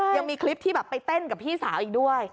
ยังมีคลิปที่แบบไปเต้นกับพี่สาวอีกด้วย